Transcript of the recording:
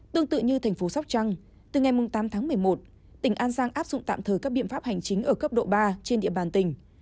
tương tự như thành phố sóc trăng từ ngày tám tháng một mươi một tỉnh an giang áp dụng tạm thời các biện pháp hành chính ở cấp độ ba trên địa bàn tỉnh